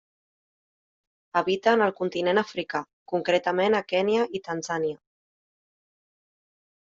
Habita en el continent africà, concretament a Kenya i Tanzània.